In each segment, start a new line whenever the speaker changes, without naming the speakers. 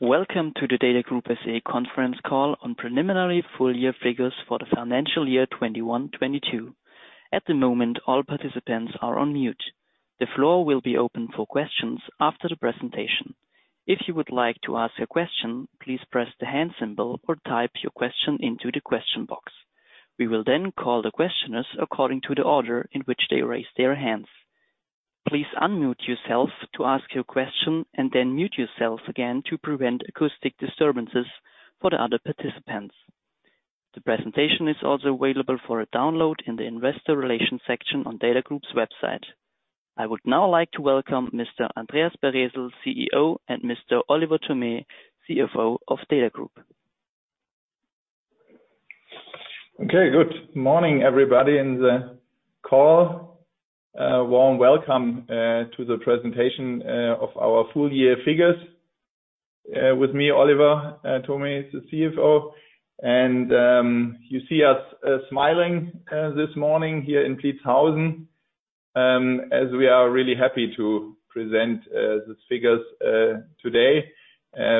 Welcome to the DATAGROUP SE conference call on preliminary full year figures for the financial year 2021, 2022. At the moment, all participants are on mute. The floor will be open for questions after the presentation. If you would like to ask a question, please press the hand symbol or type your question into the question box. We will call the questioners according to the order in which they raise their hands. Please unmute yourself to ask your question then mute yourselves again to prevent acoustic disturbances for the other participants. The presentation is also available for a download in the investor relations section on DATAGROUP's website. I would now like to welcome Mr. Andreas Baresel, CEO, and Mr. Oliver Thome, CFO of DATAGROUP.
Okay. Good morning, everybody in the call. A warm welcome to the presentation of our full year figures. With me, Oliver Thome, CFO, and you see us smiling this morning here in Pliezhausen, as we are really happy to present the figures today,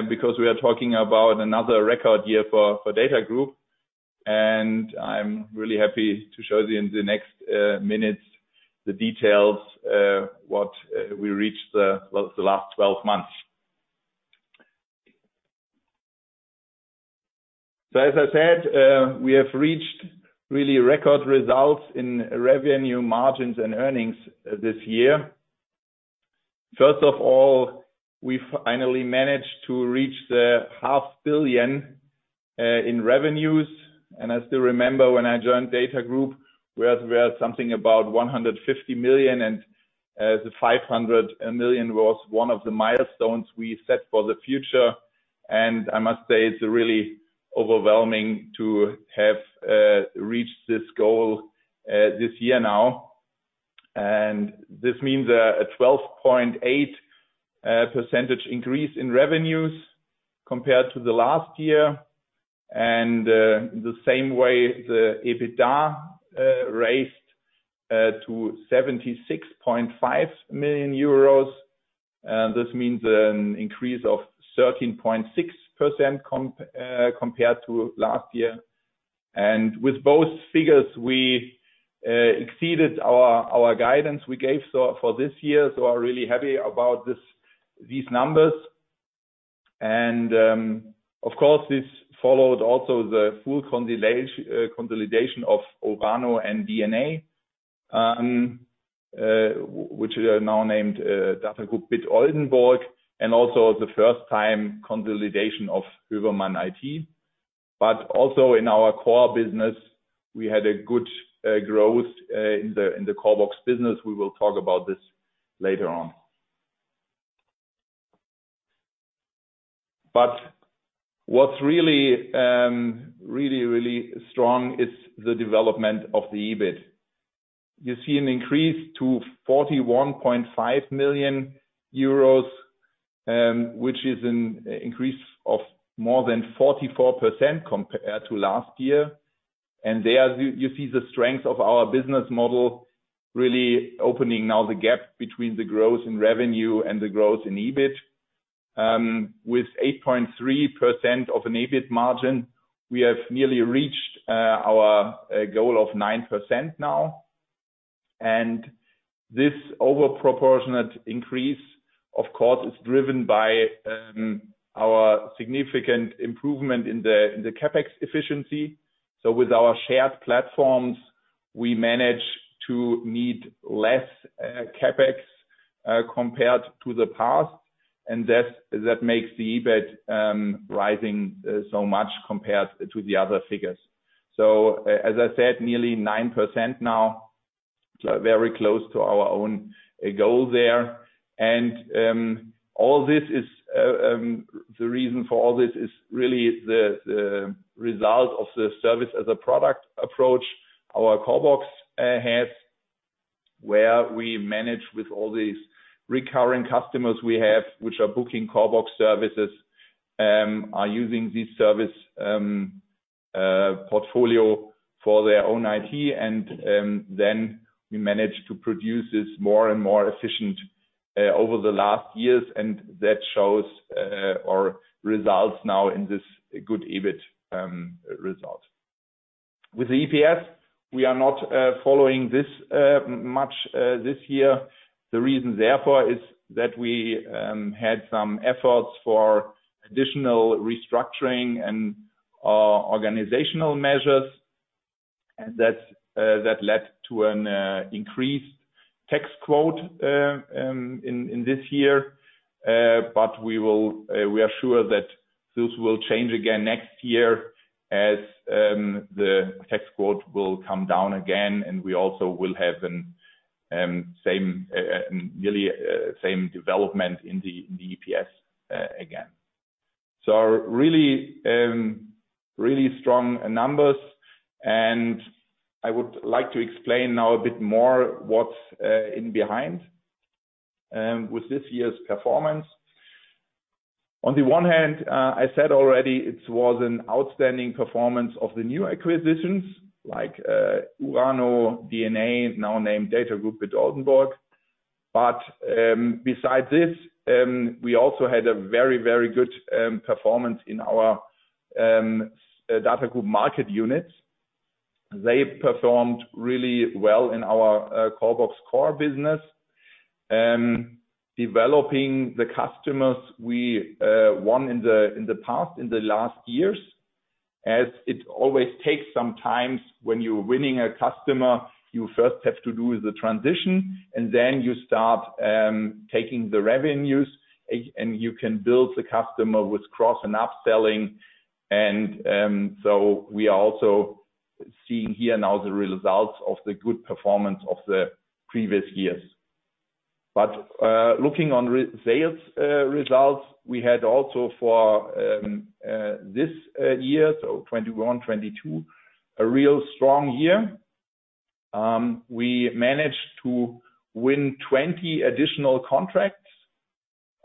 because we are talking about another record year for DATAGROUP. I'm really happy to show you in the next minutes the details what we reached the last 12 months. As I said, we have reached really record results in revenue margins and earnings this year. First of all, we finally managed to reach the 500 million in revenues. I still remember when I joined DATAGROUP, we had something about 150 million, the 500 million was one of the milestones we set for the future. I must say it's really overwhelming to have reached this goal this year now. This means a 12.8% increase in revenues compared to the last year. The same way, the EBITDA raised to 76.5 million euros. This means an increase of 13.6% compared to last year. With both figures we exceeded our guidance we gave for this year, so are really happy about these numbers. Of course, this followed also the full consolidation of URANO and dna, which are now named DATAGROUP BIT Oldenburg gmbh, and also the first time consolidation of Hövermann IT-Gruppe. Also in our core business, we had a good growth in the CORBOX business. We will talk about this later on. What's really strong is the development of the EBIT. You see an increase to 41.5 million euros, which is an increase of more than 44% compared to last year. There you see the strength of our business model really opening now the gap between the growth in revenue and the growth in EBIT. With 8.3% of an EBIT margin, we have nearly reached our goal of 9% now. This over proportionate increase, of course, is driven by our significant improvement in the CapEx efficiency. With our shared platforms, we manage to need less CapEx compared to the past, and that makes the EBIT rising so much compared to the other figures. As I said, nearly 9% now, so very close to our own goal there. All this is the reason for all this is really the result of the service as a product approach our CORBOX has, where we manage with all these recurring customers we have, which are booking CORBOX services, are using this service portfolio for their own IT and, then we manage to produce this more and more efficient over the last years. That shows our results now in this good EBIT result. With the EPS, we are not following this much this year. The reason therefore is that we had some efforts for additional restructuring and organizational measures, and that led to an increased tax quote in this year. We are sure that this will change again next year as the tax quote will come down again, and we also will have an nearly same development in the EPS again. Really strong numbers. I would like to explain now a bit more what's in behind with this year's performance. On the one hand, I said already it was an outstanding performance of the new acquisitions like, URANO, dna, now named DATAGROUP BIT Oldenburg. Besides this, we also had a very, very good performance in our DATAGROUP market units. They performed really well in our CORBOX core business, developing the customers we won in the past, in the last years, as it always takes some time when you're winning a customer, you first have to do the transition, and then you start taking the revenues and you can build the customer with cross and upselling. So we are also seeing here now the results of the good performance of the previous years. Looking on sales results, we had also for this year, so 2021, 2022, a real strong year. We managed to win 20 additional contracts,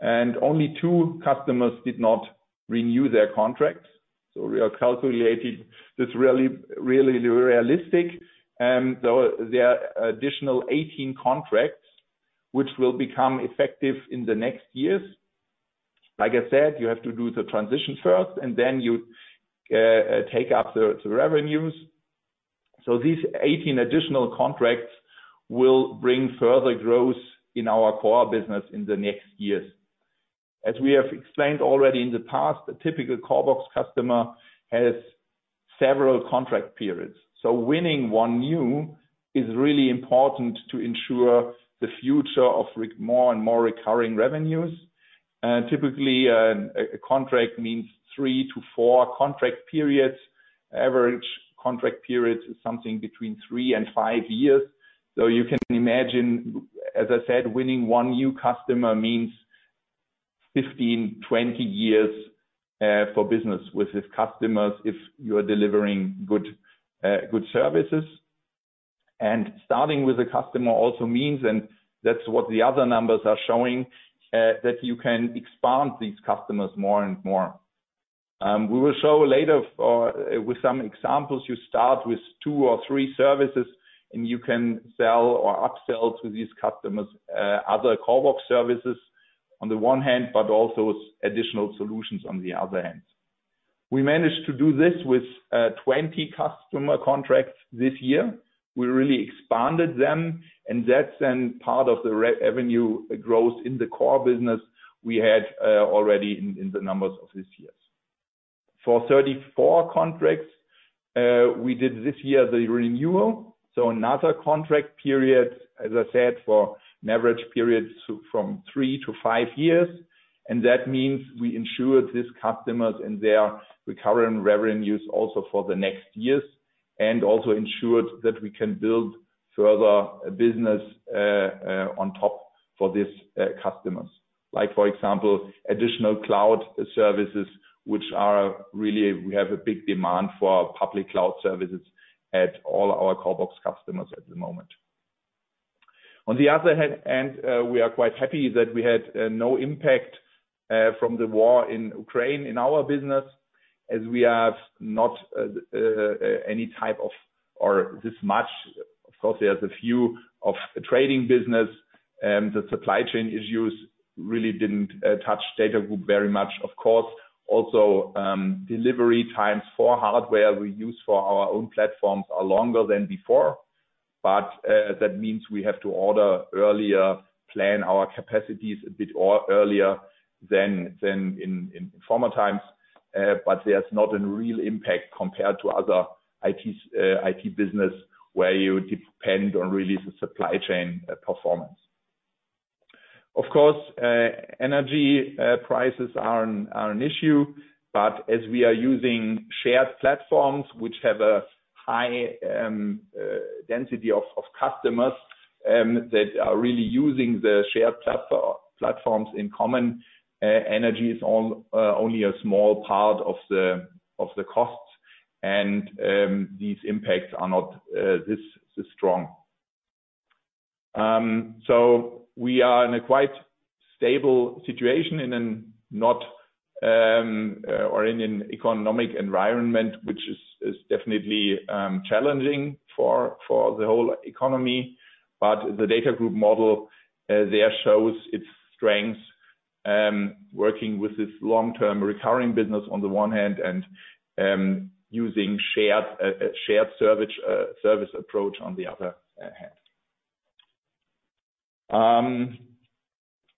and only two customers did not renew their contracts. We are calculating this really, really realistic. There are additional 18 contracts which will become effective in the next years. Like I said, you have to do the transition first, and then you take up the revenues. These 18 additional contracts will bring further growth in our core business in the next years. As we have explained already in the past, a typical CORBOX customer has several contract periods. Winning one new is really important to ensure the future of more and more recurring revenues. Typically, a contract means three to four contract periods. Average contract period is something between three and five years. You can imagine, as I said, winning one new customer means 15, 20 years for business with these customers if you are delivering good services. Starting with a customer also means, and that's what the other numbers are showing, that you can expand these customers more and more. We will show later with some examples, you start with two or three services, and you can sell or upsell to these customers, other CORBOX services on the one hand, but also additional solutions on the other hand. We managed to do this with 20 customer contracts this year. We really expanded them, and that's then part of the revenue growth in the core business we had already in the numbers of this year. For 34 contracts, we did this year the renewal, so another contract period, as I said, for an average period from three to five years. That means we ensured these customers and their recurring revenues also for the next years, and also ensured that we can build further business on top for these customers. Like for example, additional cloud services, which are really, we have a big demand for public cloud services at all our CORBOX customers at the moment. On the other hand, we are quite happy that we had no impact from the war in Ukraine in our business, as we have not any type of or this much. Of course, there's a few of the trading business, the supply chain issues really didn't touch DATAGROUP very much. Of course, also, delivery times for hardware we use for our own platforms are longer than before. That means we have to order earlier, plan our capacities a bit earlier than in former times. There's not a real impact compared to other IT business where you depend on really the supply chain performance. Of course, energy prices are an issue, but as we are using shared platforms which have a high density of customers, that are really using the shared platforms in common, energy is only a small part of the costs, and these impacts are not this strong. We are in a quite stable situation in a not, or in an economic environment, which is definitely challenging for the whole economy. The DATAGROUP model there shows its strength, working with this long-term recurring business on the one hand and using a shared service approach on the other hand.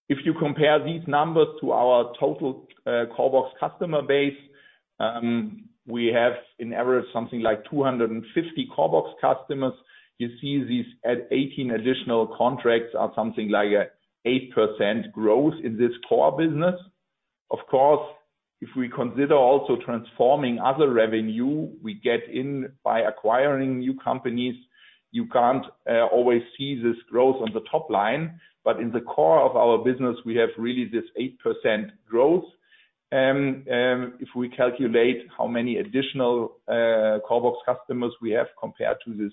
If you compare these numbers to our total CORBOX customer base, we have in average something like 250 CORBOX customers. You see these at 18 additional contracts are something like a 8% growth in this core business. Of course, if we consider also transforming other revenue we get in by acquiring new companies, you can't always see this growth on the top line. In the core of our business, we have really this 8% growth. If we calculate how many additional CORBOX customers we have compared to this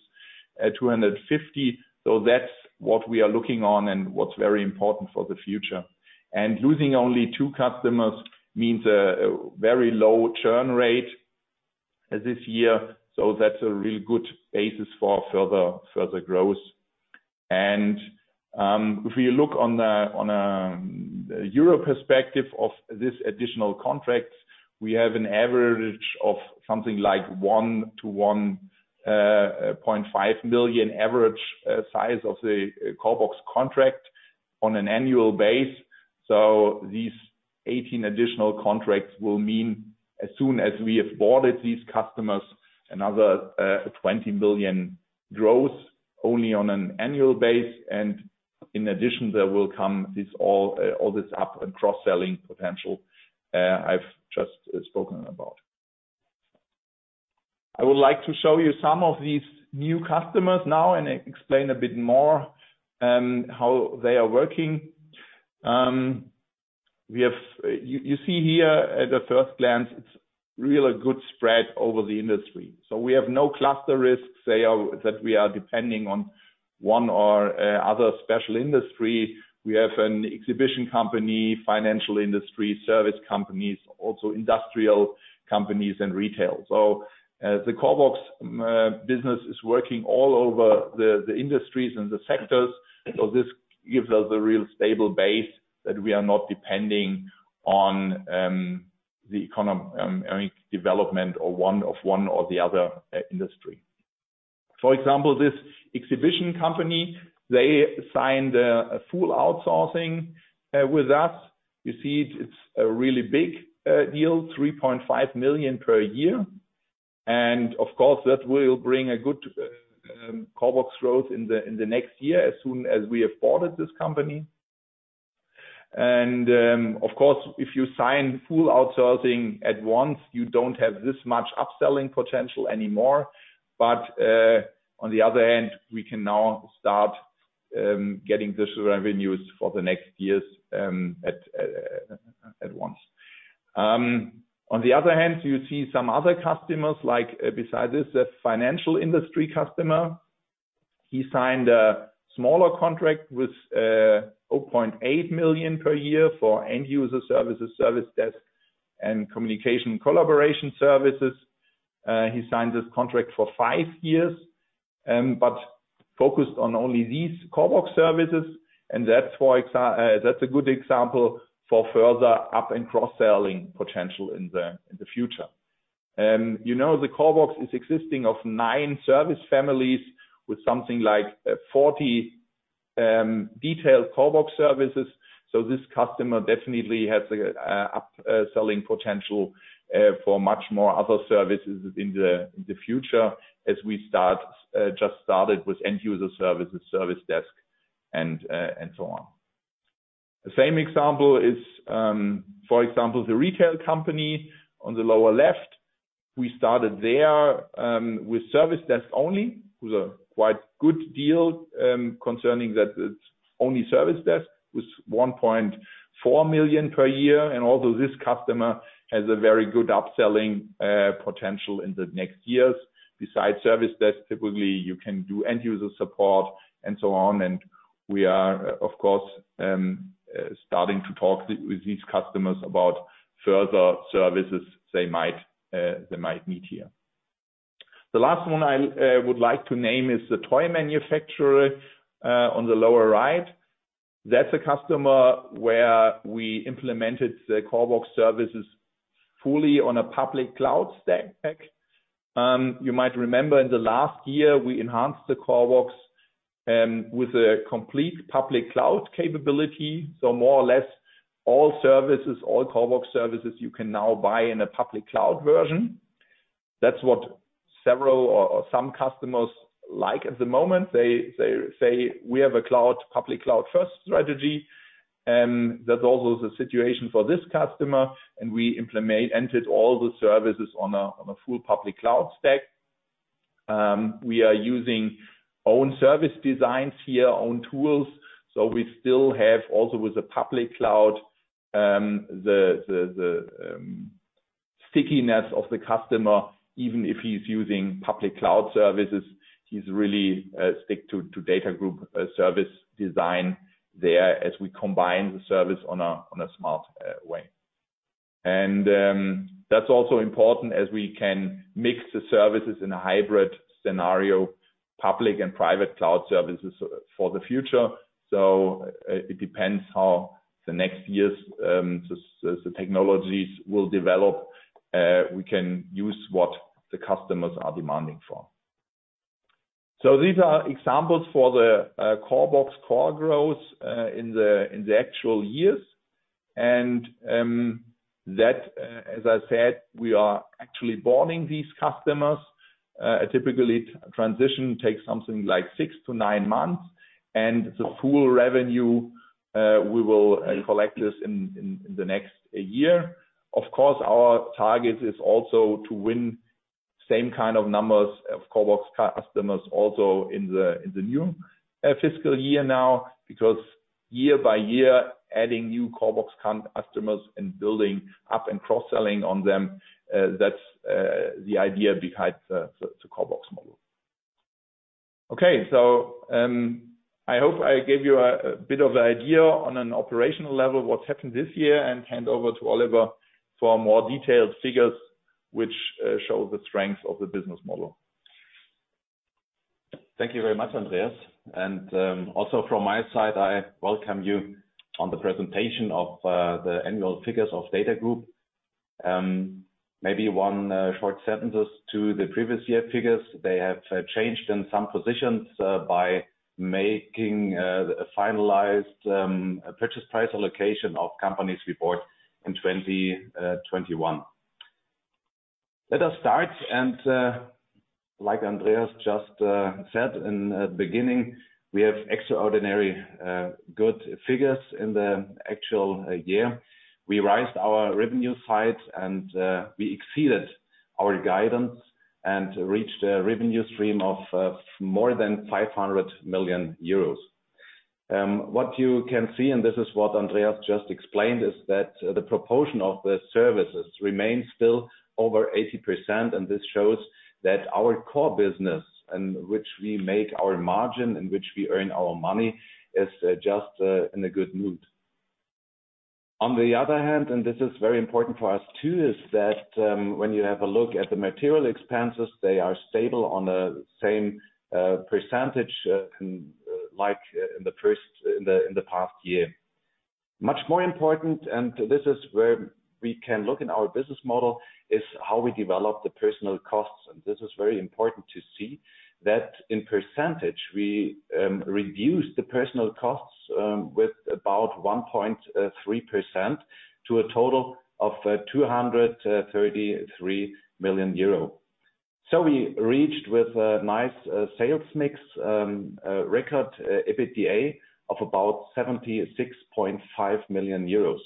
250, that's what we are looking on and what's very important for the future. Losing only two customers means a very low churn rate. As this year, that's a really good basis for further growth. If you look on the, on, the euro perspective of this additional contract, we have an average of something like 1 million-1.5 million average size of the CORBOX contract on an annual base. These 18 additional contracts will mean as soon as we have boarded these customers, another 20 million growth only on an annual base. In addition, there will come all this up and cross-selling potential I've just spoken about. I would like to show you some of these new customers now and explain a bit more how they are working. You see here at the first glance, it's really good spread over the industry. We have no cluster risks there that we are depending on one or other special industry. We have an exhibition company, financial industry, service companies, also industrial companies and retail. The CORBOX business is working all over the industries and the sectors. This gives us a real stable base that we are not depending on, I mean, development or one or the other industry. For example, this exhibition company, they signed a full outsourcing with us. You see it's a really big deal, 3.5 million per year. Of course, that will bring a good CORBOX growth in the next year as soon as we have boarded this company. Of course, if you sign full outsourcing at once, you don't have this much upselling potential anymore. On the other end, we can now start getting this revenues for the next years at once. On the other hand, you see some other customers like besides this, a financial industry customer. He signed a smaller contract with 0.8 million per year for end user services, Service Desk, and communication collaboration services. He signed this contract for five years, but focused on only these CORBOX services. That's why that's a good example for further up and cross-selling potential in the, in the future. You know, the CORBOX is existing of nine service families with something like 40 detailed CORBOX services. This customer definitely has a upselling potential for much more other services in the, in the future as we start just started with end user services, Service Desk, and so on. The same example is, for example, the retail company on the lower left. We started there with Service Desk only. It was a quite good deal concerning that it's only Service Desk with 1.4 million per year. Although this customer has a very good upselling potential in the next years besides Service Desk, typically, you can do end user support and so on. We are, of course, starting to talk with these customers about further services they might, they might need here. The last one I would like to name is the toy manufacturer on the lower right. That's a customer where we implemented the CORBOX services fully on a public cloud stack. You might remember in the last year, we enhanced the CORBOX with a complete public cloud capability. More or less all services, all CORBOX services you can now buy in a public cloud version. That's what several or some customers like at the moment. They say we have a cloud, public cloud first strategy, that's also the situation for this customer. We implemented all the services on a full public cloud stack. We are using own service designs here, own tools. We still have also with the public cloud, the stickiness of the customer, even if he's using public cloud services, he's really stick to DATAGROUP service design there as we combine the service on a smart way. That's also important as we can mix the services in a hybrid scenario, public and private cloud services for the future. It depends how the next years the technologies will develop. We can use what the customers are demanding for. These are examples for the CORBOX core growth in the actual years. That, as I said, we are actually boarding these customers. Typically transition takes something like six to nine months, and the full revenue we will collect this in the next year. Of course, our target is also to win same kind of numbers of CORBOX customers also in the new fiscal year now. Year by year, adding new CORBOX customers and building up and cross-selling on them, that's the idea behind the CORBOX model. I hope I gave you a bit of an idea on an operational level what happened this year, and hand over to Oliver for more detailed figures which show the strength of the business model.
Thank you very much, Andreas. Also from my side, I welcome you on the presentation of the annual figures of DATAGROUP. Maybe one short sentences to the previous year figures. They have changed in some positions by making the finalized purchase price allocation of companies we bought in 2021. Let us start. Like Andreas just said in the beginning, we have extraordinary good figures in the actual year. We rised our revenue side and we exceeded our guidance and reached a revenue stream of more than 500 million euros. What you can see, this is what Andreas just explained, is that the proportion of the services remains still over 80%, this shows that our core business, in which we make our margin, in which we earn our money, is just in a good mood. On the other hand, this is very important for us too, is that when you have a look at the material expenses, they are stable on the same percentage like in the past year. Much more important, this is where we can look in our business model, is how we develop the personnel costs. This is very important to see that in percentage, we reduced the personnel costs with about 1.3% to a total of 233 million euro. We reached with a nice sales mix, record EBITDA of about 76.5 million euros.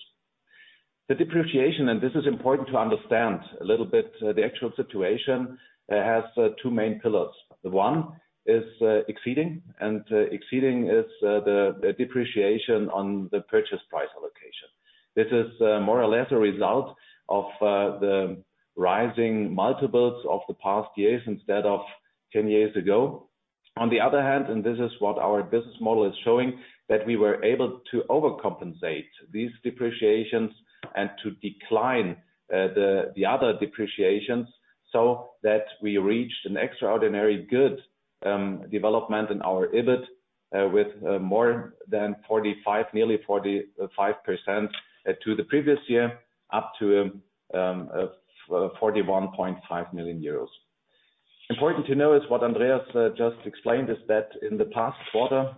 The depreciation, and this is important to understand a little bit the actual situation, has two main pillars. The one is exceeding, and exceeding is the depreciation on the purchase price allocation. This is more or less a result of the rising multiples of the past years instead of 10 years ago. On the other hand, this is what our business model is showing, that we were able to overcompensate these depreciations and to decline the other depreciations, that we reached an extraordinary good development in our EBIT with more than 45%, nearly 45% to the previous year, up to 41.5 million euros. Important to know is what Andreas just explained is that in the past quarter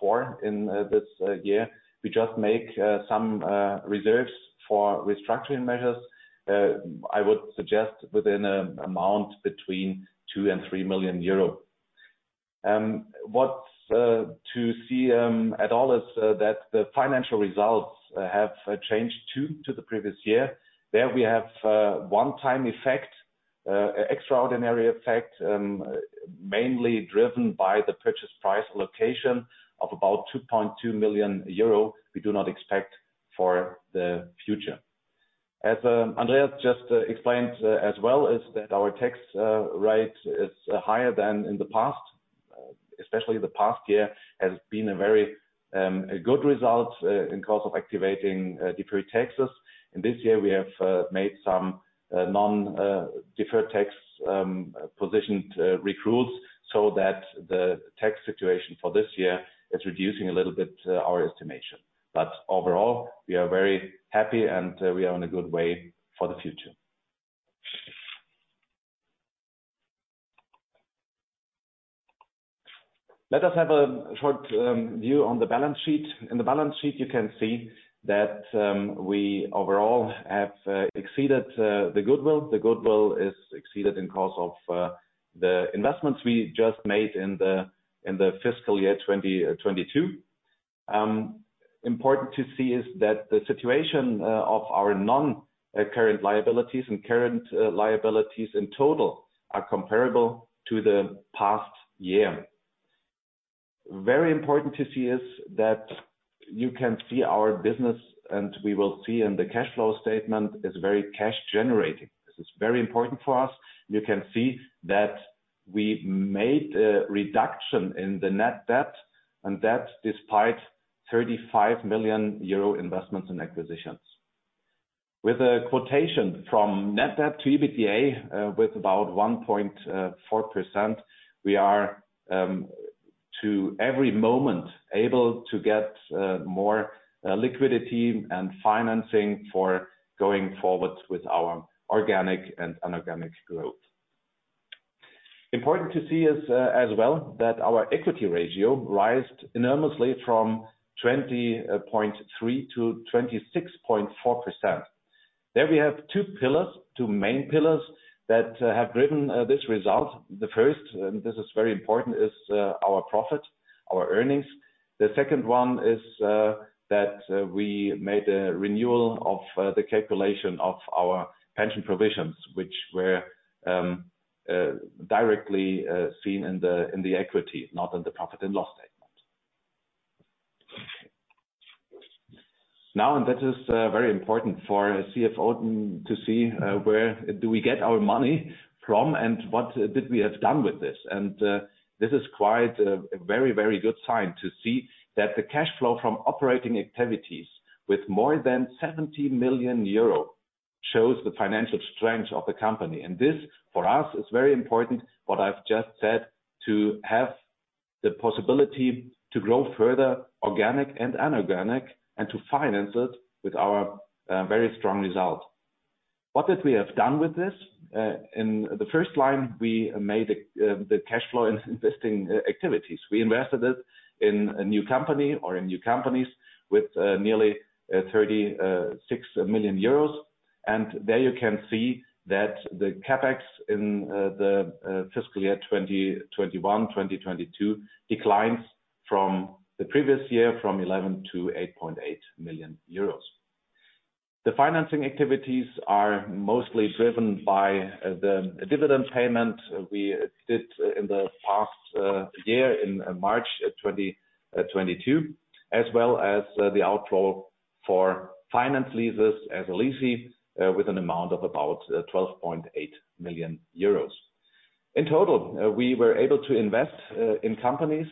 four in this year, we just make some reserves for restructuring measures. I would suggest within an amount between 2 million and 3 million euro. What's to see at all is that the financial results have changed too to the previous year. There we have one-time effect, extraordinary effect, mainly driven by the purchase price allocation of about 2.2 million euro we do not expect for the future. As Andreas just explained as well, is that our tax rate is higher than in the past. Especially the past year has been a very good result in cost of activating deferred taxes. In this year, we have made some non deferred tax positioned recrudes, so that the tax situation for this year is reducing a little bit our estimation. Overall, we are very happy and we are on a good way for the future. Let us have a short view on the balance sheet. In the balance sheet, you can see that we overall have exceeded the goodwill. The goodwill is exceeded in cost of the investments we just made in the fiscal year 2022. Important to see is that the situation of our non-current liabilities and current liabilities in total are comparable to the past year. Very important to see is that you can see our business, and we will see in the cash flow statement is very cash generating. This is very important for us. You can see that we made a reduction in the net debt, and that's despite 35 million euro investments in acquisitions. With a quotation from net debt to EBITDA, with about 1.4%, we are to every moment able to get more liquidity and financing for going forward with our organic and inorganic growth. Important to see is as well that our equity ratio rised enormously from 20.3% to 26.4%. There we have two pillars, two main pillars that have driven this result. The first, and this is very important, is our profit, our earnings. The second one is that we made a renewal of the calculation of our pension provisions, which were directly seen in the equity, not in the profit and loss statement. That is very important for a CFO to see where do we get our money from and what did we have done with this. This is quite a very, very good sign to see that the cash flow from operating activities with more than 70 million euro shows the financial strength of the company. This, for us, is very important, what I've just said, to have the possibility to grow further organic and inorganic, and to finance it with our very strong result. What did we have done with this? In the first line, we made the cash flow investing activities. We invested it in a new company or in new companies with nearly 36 million euros. There you can see that the CapEx in the fiscal year 2021, 2022 declines from the previous year, from 11 million to 8.8 million euros. The financing activities are mostly driven by the dividend payment we did in the past year in March 2022, as well as the outroll for finance leases as a lessee, with an amount of about 12.8 million euros. In total, we were able to invest in companies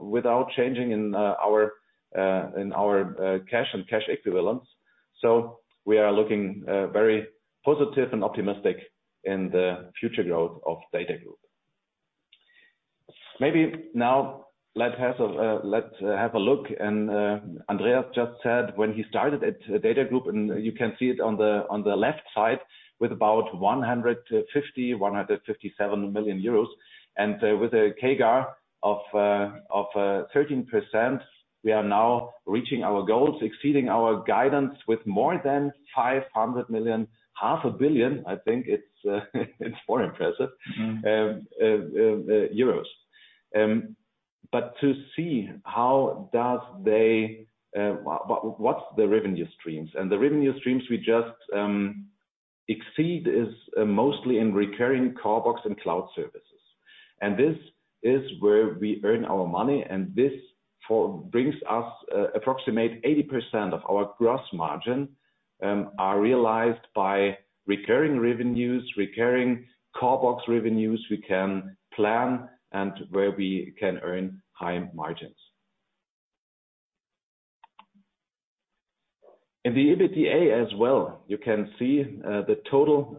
without changing in our cash and cash equivalents. We are looking very positive and optimistic in the future growth of DATAGROUP. Maybe now let's have a look. Andreas just said when he started at DATAGROUP, you can see it on the left side, with about 157 million euros. With a KGA of 13%, we are now reaching our goals, exceeding our guidance with more than 500 million, 500 million, I think it's more impressive. To see how does they, what's the revenue streams? The revenue streams we just exceed is mostly in recurring CORBOX and cloud services. This is where we earn our money, and this brings us approximate 80% of our gross margin are realized by recurring revenues, recurring CORBOX revenues we can plan and where we can earn high margins. In the EBITDA as well, you can see the total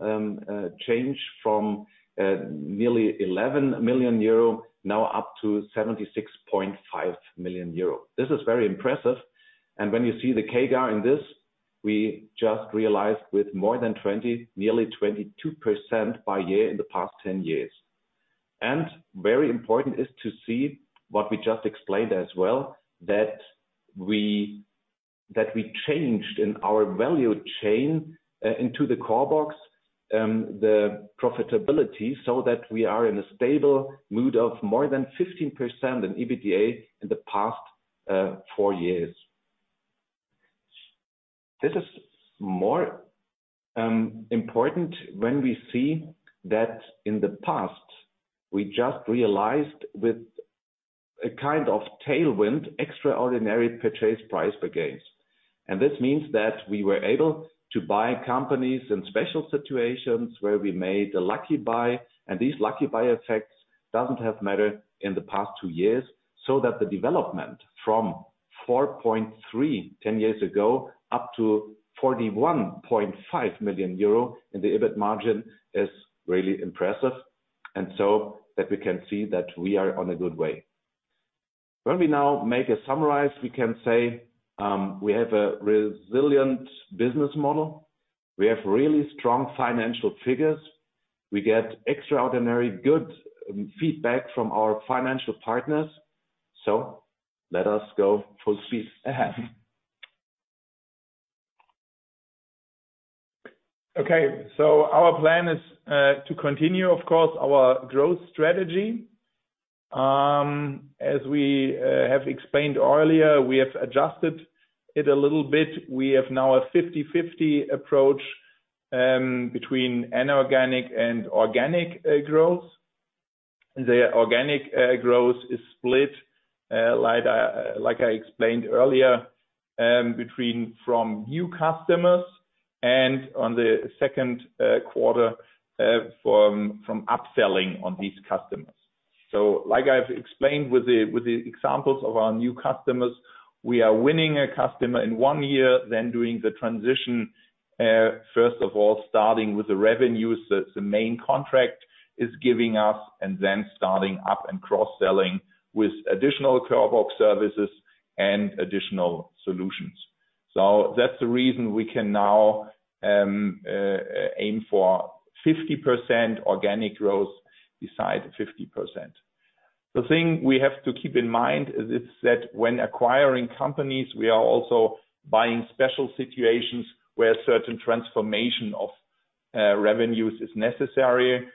change from nearly 11 million euro now up to 76.5 million euro. This is very impressive. When you see the CAGR in this, we just realized with more than 20, nearly 22% by year in the past 10 years. Very important is to see what we just explained as well, that we changed in our value chain into the CORBOX the profitability, so that we are in a stable mood of more than 15% in EBITDA in the past four years. This is more important when we see that in the past, we just realized with a kind of tailwind, extraordinary purchase price for gains. This means that we were able to buy companies in special situations where we made a lucky buy, and these lucky buy effects doesn't have mattered in the past two years, so that the development from 4.3 10 years ago, up to 41.5 million euro in the EBIT margin is really impressive. So that we can see that we are on a good way. When we now make a summarize, we can say, we have a resilient business model. We have really strong financial figures. We get extraordinary good feedback from our financial partners. Let us go full speed ahead. Our plan is to continue, of course, our growth strategy. As we have explained earlier, we have adjusted it a little bit. We have now a 50/50 approach between inorganic and organic growth. The organic growth is split like I explained earlier, between from new customers and on the second quarter from upselling on these customers. Like I've explained with the examples of our new customers, we are winning a customer in one year, then doing the transition, first of all, starting with the revenues that the main contract is giving us, and then starting up and cross-selling with additional CORBOX services and additional solutions. That's the reason we can now aim for 50% organic growth beside 50%. The thing we have to keep in mind is that when acquiring companies, we are also buying special situations where certain transformation of revenues is necessary.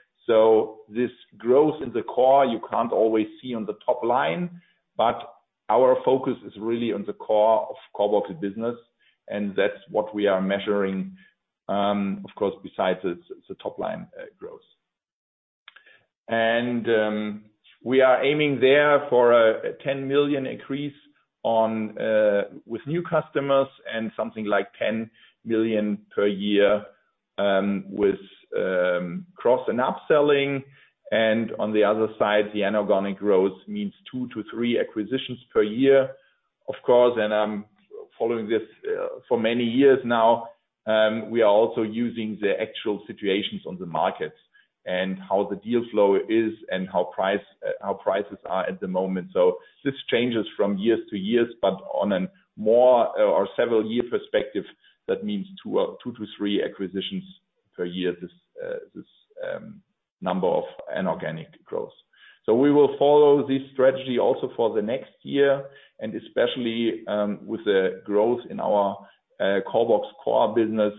This growth in the core, you can't always see on the top line, but our focus is really on the core of CORBOX business, and that's what we are measuring, of course, besides the top line, growth. We are aiming there for a 10 million increase on with new customers and something like 10 million per year with cross and upselling. On the other side, the inorganic growth means two to three acquisitions per year. Of course, I'm following this for many years now, we are also using the actual situations on the markets and how the deal flow is and how prices are at the moment. This changes from years to years, but on a more or several-year perspective, that means two to three acquisitions per year. This number of inorganic growth. We will follow this strategy also for the next year and especially, with the growth in our CORBOX core business,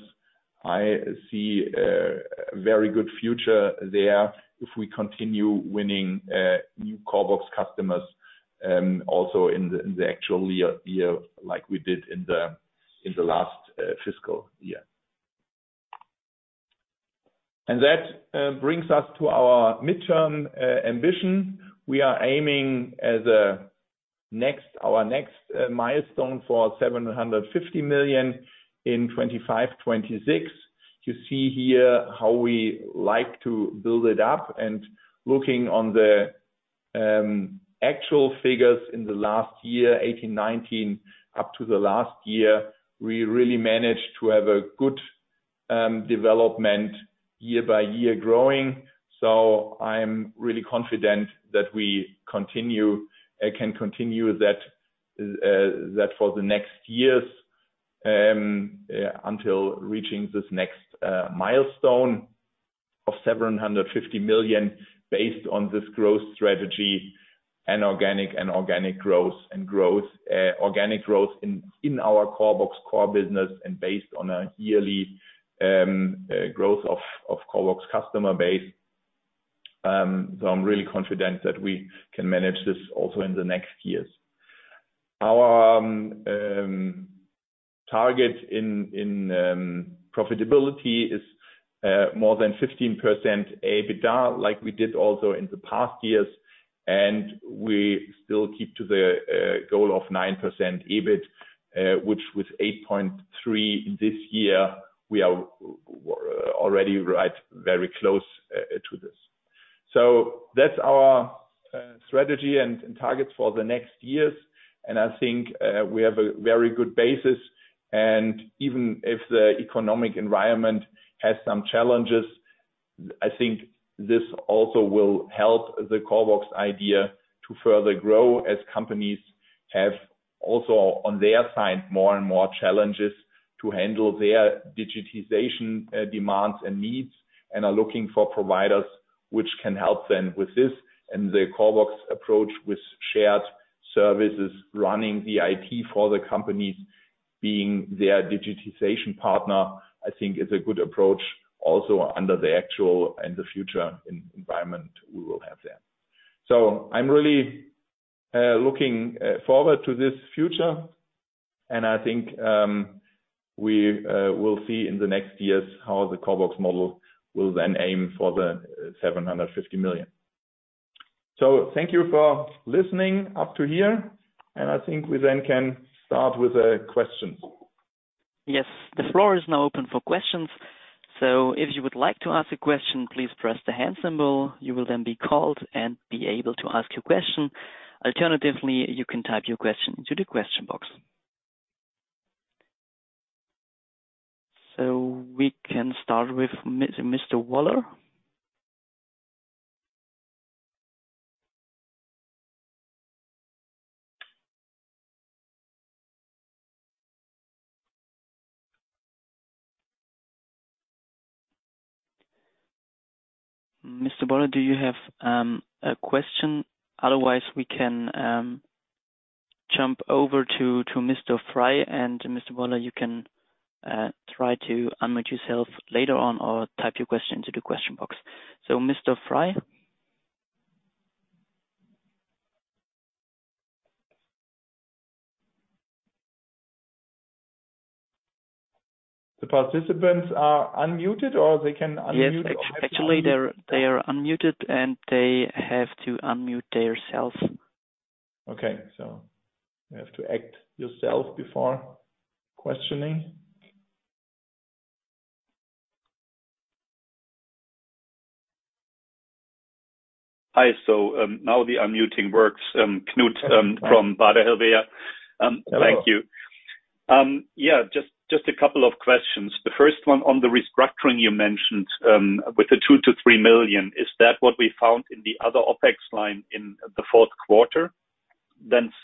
I see a very good future there if we continue winning new CORBOX customers, also in the actual year like we did in the last fiscal year. That brings us to our midterm ambition. We are aiming as a next, our next milestone for 750 million in 2025, 2026. You see here how we like to build it up and looking on the actual figures in the last year, 2018, 2019, up to the last year, we really managed to have a good development year by year growing. I'm really confident that we continue can continue that that for the next years until reaching this next milestone of 750 million based on this growth strategy, inorganic and organic growth and growth organic growth in in our CORBOX core business and based on a yearly growth of CORBOX customer base. I'm really confident that we can manage this also in the next years. Our target in in profitability is more than 15% EBITDA, like we did also in the past years, and we still keep to the goal of 9% EBIT which was 8.3% this year. We're already right very close to this. That's our strategy and targets for the next years. I think we have a very good basis. Even if the economic environment has some challenges, I think this also will help the CORBOX idea to further grow as companies have also on their side, more and more challenges to handle their digitization demands and needs and are looking for providers which can help them with this. The CORBOX approach with shared services, running the IT for the companies, being their digitization partner, I think is a good approach also under the actual and the future environment we will have there. I'm really looking forward to this future, and I think we will see in the next years how the CORBOX model will then aim for 750 million. Thank you for listening up to here, and I think we then can start with the questions.
Yes. The floor is now open for questions. If you would like to ask a question, please press the hand symbol. You will then be called and be able to ask your question. Alternatively, you can type your question into the question box. We can start with Mr. Woller. Mr. Woller, do you have a question? Otherwise, we can jump over to Mr. Fry and Mr. Woller, you can try to unmute yourself later on or type your question into the question box. Mr. Fry?
The participants are unmuted, or they can unmute.
Yes, actually they're, they are unmuted. They have to unmute themselves.
Okay. You have to act yourself before questioning.
Hi. Now the unmuting works. Knut from Baader Helvea.
Hello.
Thank you. Yeah, just a couple of questions. The first one on the restructuring you mentioned, with the 2 million-3 million, is that what we found in the other OpEx line in the fourth quarter?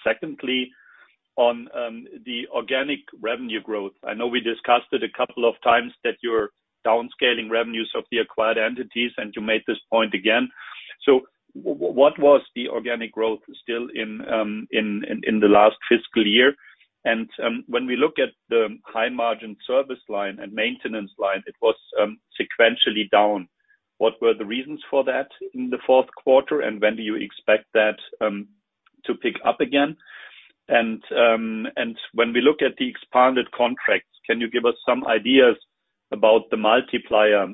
Secondly, on the organic revenue growth. I know we discussed it a couple of times that you're downscaling revenues of the acquired entities, and you made this point again. What was the organic growth still in the last fiscal year? When we look at the high margin service line and maintenance line, it was sequentially down. What were the reasons for that in the fourth quarter? When do you expect that to pick up again? When we look at the expanded contracts, can you give us some ideas about the multiplier,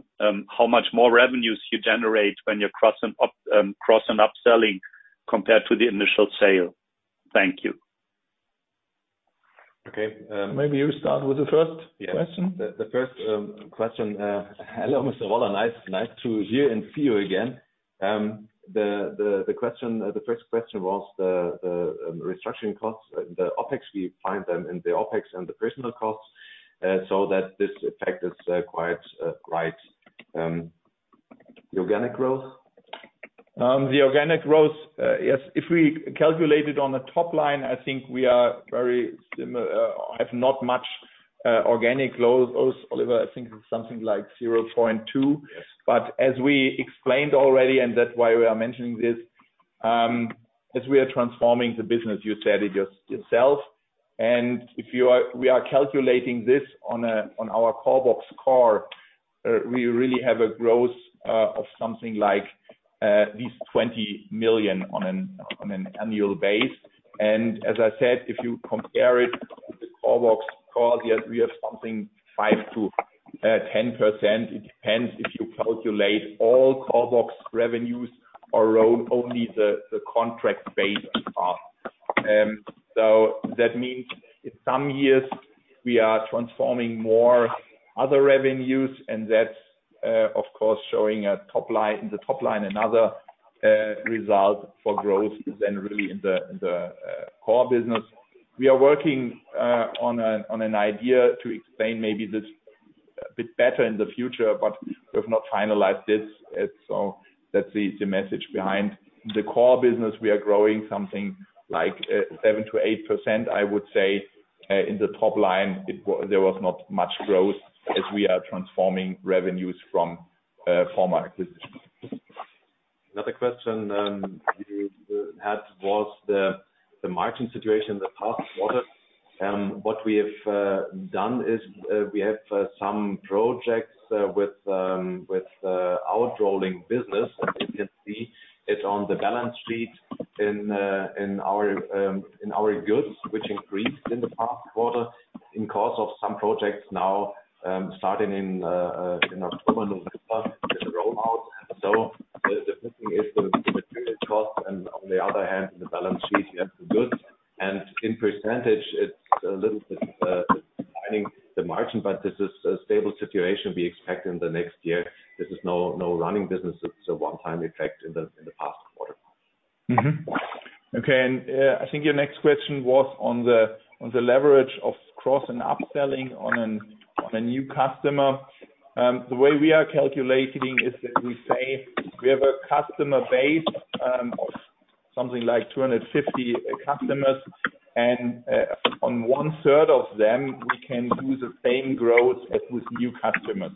how much more revenues you generate when you're cross and upselling compared to the initial sale? Thank you.
Okay. Maybe you start with the first question.
Yes. The first question. Hello, Mr. Woller. Nice to hear and see you again. The question, the first question was the restructuring costs, the OpEx, we find them in the OpEx and the personnel costs. That this effect is quite right. The organic growth?
The organic growth, yes. If we calculate it on the top line, I think we are very have not much organic growth. Oliver, I think it's something like 0.2%.
Yes.
As we explained already, and that's why we are mentioning this, as we are transforming the business, you said it yourself. If we are calculating this on our CORBOX core, we really have a growth of something like at least 20 million on an annual base. As I said, if you compare it with CORBOX core, yes, we have something 5%-10%. It depends if you calculate all CORBOX revenues or only the contract-based part. That means in some years we are transforming more other revenues and that's of course showing a top line another result for growth than really in the core business. We are working on an idea to explain maybe this a bit better in the future, but we have not finalized this. That's the message behind. The core business, we are growing something like 7%-8%, I would say. In the top line, there was not much growth as we are transforming revenues from former acquisitions.
Another question you had was the margin situation in the past quarter. What we have done is we have some projects with outrolling business. You can see it on the balance sheet in our goods which increased in the past quarter in course of some projects now starting in October, November with the rollout. The good thing is the material cost and on the other hand, the balance sheet, you have the goods. In %, it's a little bit dividing the margin, but this is a stable situation we expect in the next year. This is no running business. It's a one-time effect in the past quarter.
Okay. I think your next question was on the leverage of cross and upselling on a new customer. The way we are calculating is that we say we have a customer base of something like 250 customers, on one-third of them, we can do the same growth as with new customers.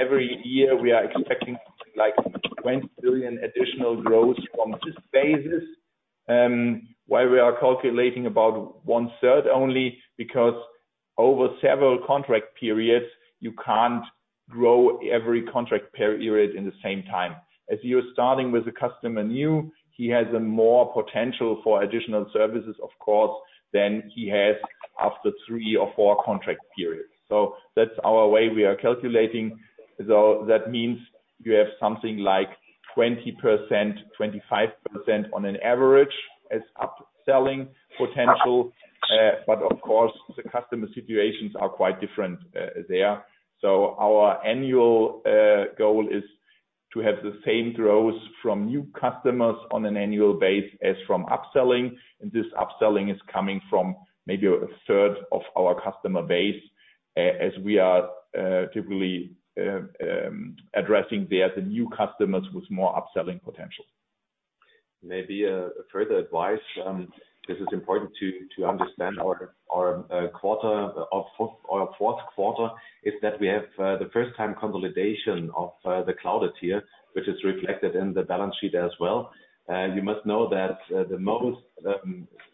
Every year we are expecting something like 20 million additional growth from this basis. Why we are calculating about one-third only, because over several contract periods, you can't grow every contract period in the same time. As you're starting with a customer new, he has a more potential for additional services, of course, than he has after three or four contract periods. That's our way we are calculating. That means you have something like 20%, 25% on an average as upselling potential. Of course, the customer situations are quite different there. Our annual goal is to have the same growth from new customers on an annual base as from upselling. This upselling is coming from maybe a third of our customer base, as we are typically addressing there the new customers with more upselling potential. Maybe, a further advice, this is important to understand our fourth quarter is that we have the first time consolidation of the Cloudeteer, which is reflected in the balance sheet as well. You must know that the most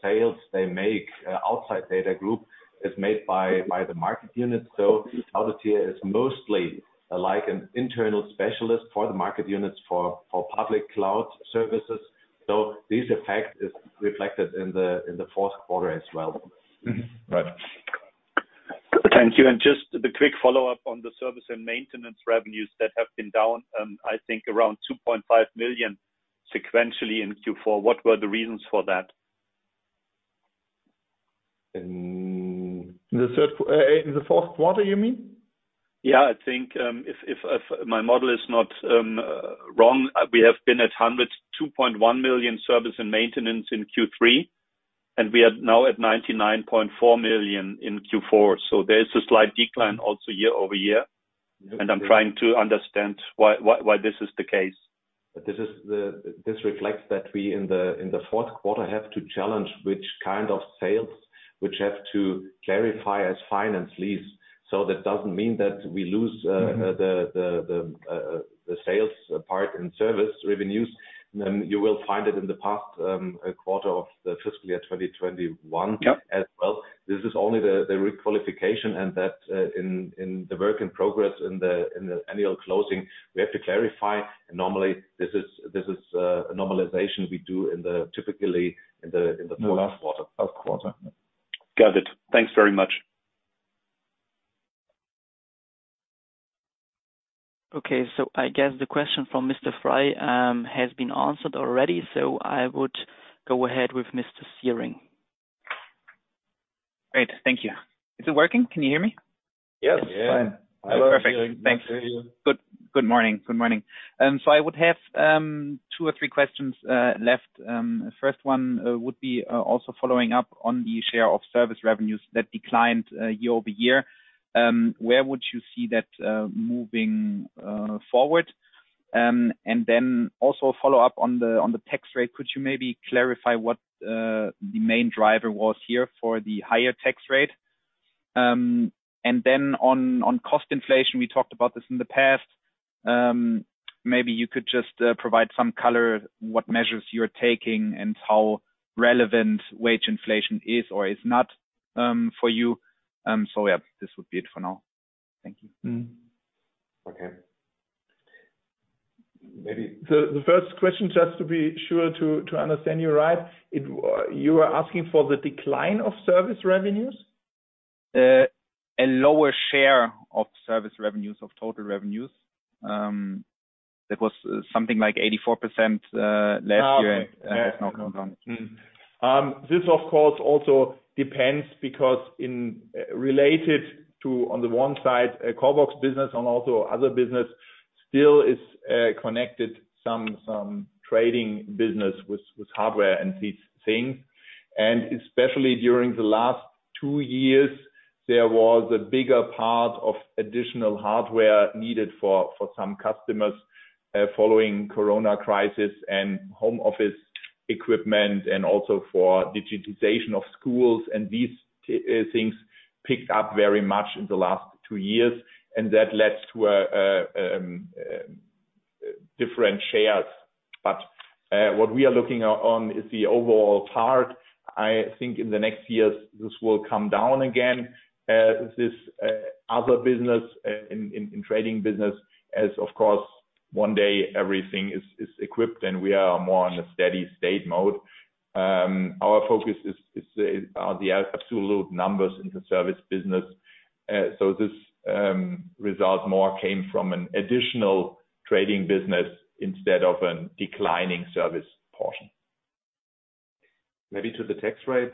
sales they make outside DATAGROUP is made by the market units. Cloudeteer is mostly like an internal specialist for the market units for public cloud services. This effect is reflected in the fourth quarter as well.
Mm-hmm. Right. Thank you. Just a quick follow-up on the service and maintenance revenues that have been down, I think around 2.5 million sequentially in Q4. What were the reasons for that?
In...
In the fourth quarter, you mean?
Yeah. I think, if my model is not wrong, we have been at 102.1 million service and maintenance in Q3, and we are now at 99.4 million in Q4. There's a slight decline also year-over-year. I'm trying to understand why this is the case.
This reflects that we in the fourth quarter have to challenge which kind of sales which have to clarify as finance lease. That doesn't mean that we lose the sales part in service revenues. You will find it in the past quarter of the fiscal year 2021 as well. This is only the requalification and that, in the work in progress in the annual closing, we have to clarify. normally, this is a normalization we do in the typically in the fourth quarter.
Fourth quarter.
Got it. Thanks very much.
Okay. I guess the question from Mr. Fry has been answered already, so I would go ahead with [Mr. Searing.
Great. Thank you. Is it working? Can you hear me?
Yes. Fine.
Perfect. Thanks. Good morning. Good morning. I would have two or three questions left. First one would be also following up on the share of service revenues that declined year-over-year. Where would you see that moving forward? Also follow up on the tax rate. Could you maybe clarify what the main driver was here for the higher tax rate? On cost inflation, we talked about this in the past. Maybe you could just provide some color, what measures you're taking and how relevant wage inflation is or is not for you. Yeah, this would be it for now. Thank you.
Mm-hmm. Okay. Maybe. The first question, just to be sure to understand you right, you are asking for the decline of service revenues?
A lower share of service revenues of total revenues. That was something like 84% last year has now gone down.
This of course also depends because in related to, on the one side, CORBOX business and also other business still is connected some trading business with hardware and these things. Especially during the last two years, there was a bigger part of additional hardware needed for some customers following Corona crisis and home office equipment and also for digitization of schools. These things picked up very much in the last two years, and that led to a different shares. What we are looking at on is the overall part. I think in the next years, this will come down again, this other business in trading business as of course, one day everything is equipped and we are more on a steady state mode. Our focus is, are the absolute numbers in the service business. This result more came from an additional trading business instead of an declining service portion. Maybe to the tax rate,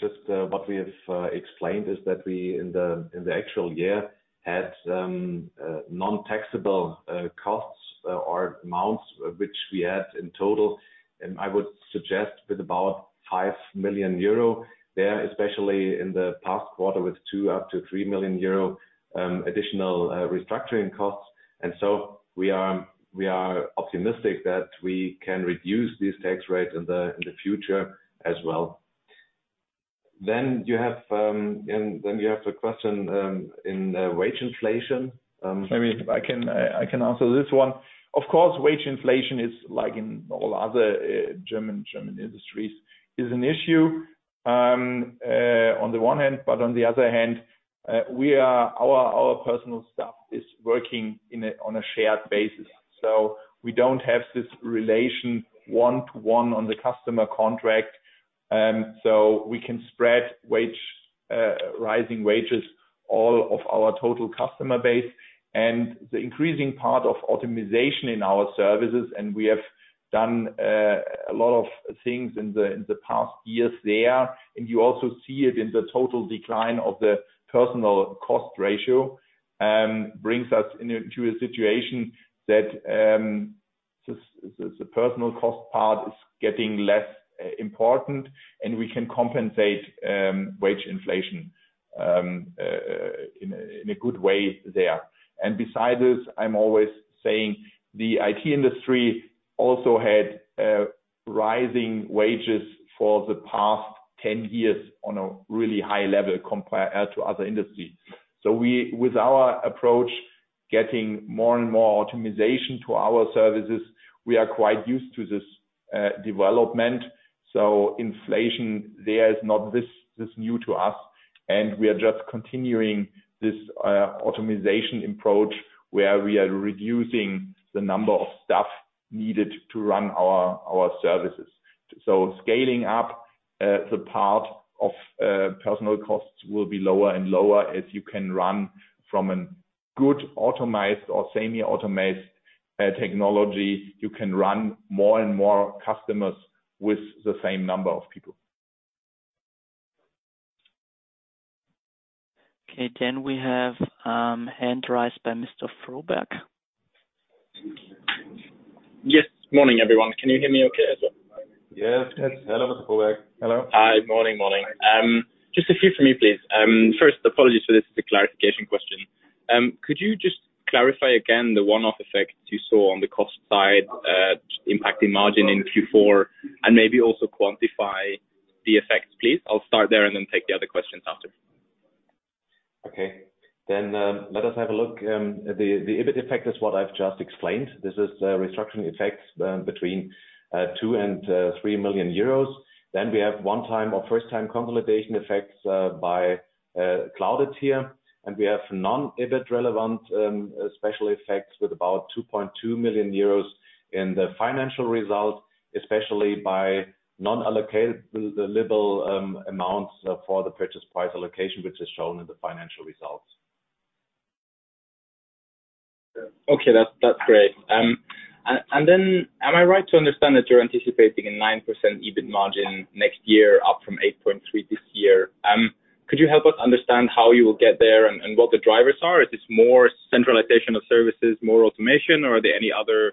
just what we have explained is that we in the actual year had non-taxable costs or amounts which we had in total, and I would suggest with about 5 million euro there, especially in the past quarter with 2 million-3 million euro additional restructuring costs. We are optimistic that we can reduce these tax rates in the future as well. You have the question in the wage inflation. Maybe I can answer this one. Of course, wage inflation is like in all other German industries, is an issue on the one hand, but on the other hand, our personal staff is working in a shared basis. We don't have this relation one to one on the customer contract. We can spread wage, rising wages, all of our total customer base, and the increasing part of optimization in our services, and we have done a lot of things in the past years there. You also see it in the total decline of the personnel cost ratio, brings us into a situation that just the personnel cost part is getting less important, and we can compensate wage inflation in a good way there. Besides this, I'm always saying the IT industry also had rising wages for the past 10 years on a really high level compare to other industries. We, with our approach, getting more and more optimization to our services, we are quite used to this development. Inflation there is not this new to us, and we are just continuing this optimization approach, where we are reducing the number of staff needed to run our services. Scaling up the part of personnel costs will be lower and lower as you can run from a good automized or semi-automized technology. You can run more and more customers with the same number of people.
Okay. We have, hand rise by Mr. Froberg.
Yes. Morning, everyone. Can you hear me okay as well?
Yes. Hello, Mr. Froberg. Hello.
Hi. Morning. Morning. Just a few for me, please. First, apologies for this, it's a clarification question. Could you just clarify again the one-off effects you saw on the cost side, impacting margin in Q4, and maybe also quantify the effects, please? I'll start there and then take the other questions after.
Okay. Let us have a look. The EBIT effect is what I've just explained. This is restructuring effects between 2 million and 3 million euros. We have one time or first time consolidation effects by Cloudeteer, and we have non-EBIT relevant special effects with about 2.2 million euros in the financial results, especially by non-allocat-able amounts for the purchase price allocation, which is shown in the financial results.
Okay, that's great. Am I right to understand that you're anticipating a 9% EBIT margin next year, up from 8.3% this year? Could you help us understand how you will get there and what the drivers are? Is this more centralization of services, more automation, or are there any other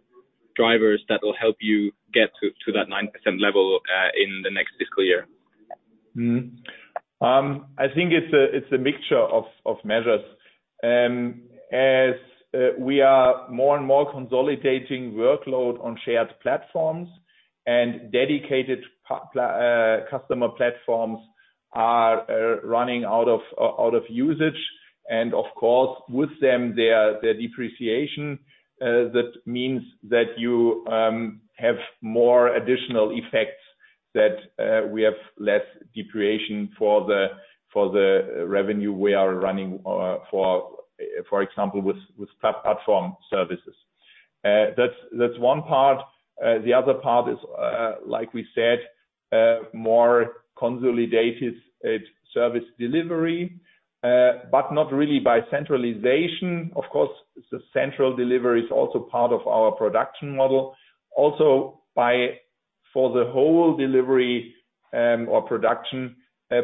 drivers that will help you get to that 9% level in the next fiscal year?
I think it's a mixture of measures. As we are more and more consolidating workload on shared platforms and dedicated customer platforms are running out of usage and of course with them their depreciation. That means that you have more additional effects that we have less depreciation for the revenue we are running, for example with platform services. That's one part. The other part is like we said, more consolidated service delivery, but not really by centralization. Of course, the central delivery is also part of our production model. By, for the whole delivery, or production,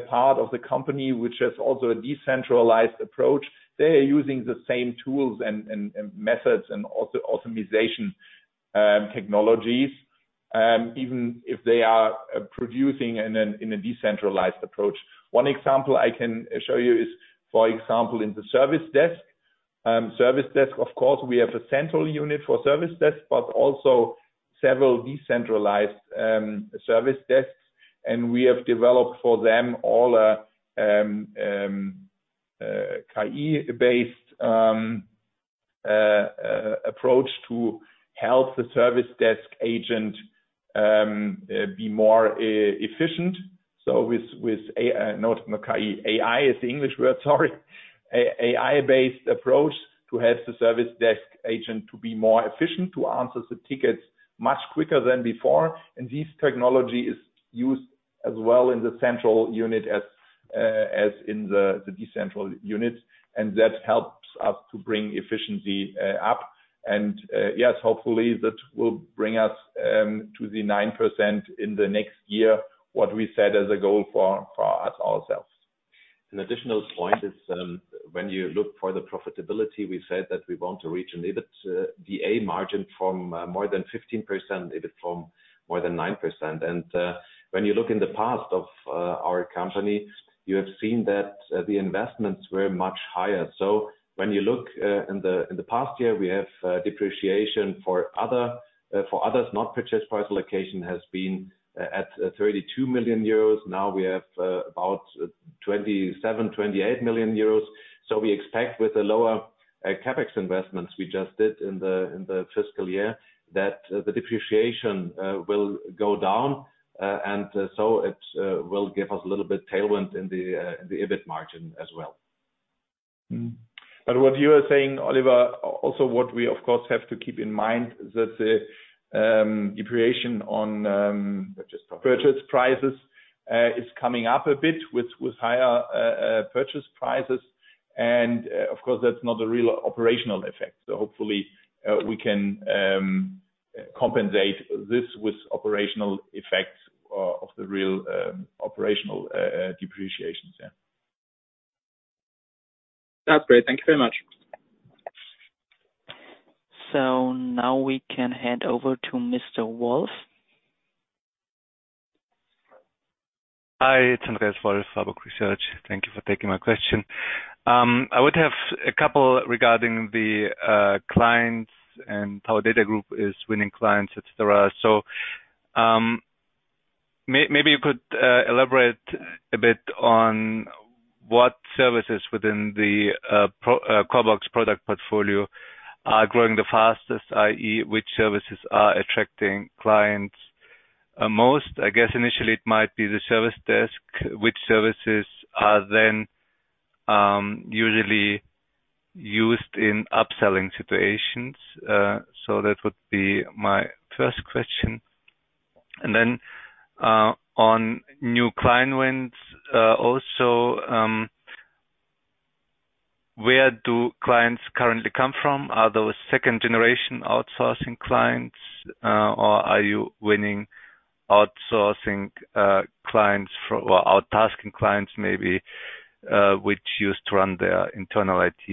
part of the company, which is also a decentralized approach, they are using the same tools and methods and also optimization technologies, even if they are producing in a decentralized approach. One example I can show you is, for example, in the Service Desk. Service Desk, of course, we have a central unit for Service Desk, but also several decentralized Service Desks, and we have developed for them all a KI based approach to help the Service Desk agent be more efficient. With, Not KI. AI is the English word, sorry. AI based approach to help the Service Desk agent to be more efficient, to answer the tickets much quicker than before. This technology is used as well in the central unit as in the decentral units. That helps us to bring efficiency up. Yes, hopefully that will bring us to the 9% in the next year, what we set as a goal for ourselves.
An additional point is, when you look for the profitability, we said that we want to reach an EBITDA margin from more than 15%, EBIT from more than 9%. When you look in the past of our company, you have seen that the investments were much higher. When you look in the past year, we have depreciation for other, for others, not purchase price allocation has been at 32 million euros. Now we have about 27 million-28 million euros. We expect with the lower CapEx investments we just did in the fiscal year, that the depreciation will go down. It will give us a little bit tailwind in the EBIT margin as well.
What you are saying, Oliver, also what we of course have to keep in mind is that the depreciation on.
Purchase prices.
Purchase prices is coming up a bit with higher purchase prices. Of course, that's not a real operational effect. Hopefully, we can compensate this with operational effects of the real operational depreciations. Yeah.
That's great. Thank you very much.
Now we can hand over to Mr. Wolf.
Hi, it's Andreas Wolf, Warburg Research. Thank you for taking my question. I would have a couple regarding the clients and how DATAGROUP is winning clients, et cetera. You could elaborate a bit on what services within the CORBOX product portfolio are growing the fastest, i.e. which services are attracting clients most. I guess initially it might be the Service Desk. Which services are then usually used in upselling situations? That would be my first question. On new client wins also, where do clients currently come from? Are those second generation outsourcing clients, or are you winning outsourcing clients or out-tasking clients maybe, which used to run their internal IT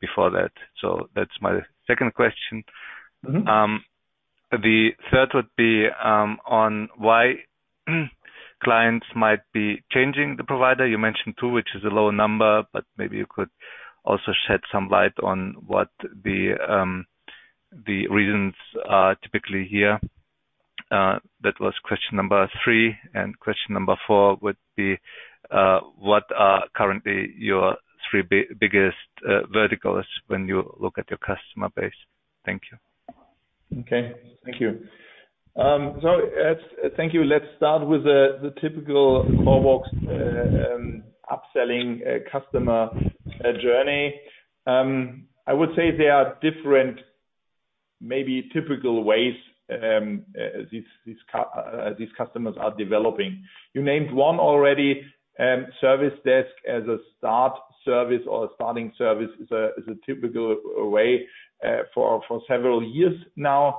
before that? That's my second question.
Mm-hmm.
The third would be on why clients might be changing the provider. You mentioned two, which is a low number, but maybe you could also shed some light on what the reasons are typically here. That was question number three. Question number four would be what are currently your three biggest verticals when you look at your customer base? Thank you.
Okay, thank you. Thank you. Let's start with the typical CORBOX upselling customer journey. I would say there are Maybe typical ways these customers are developing. You named one already, Service Desk as a start service or starting service is a typical way for several years now.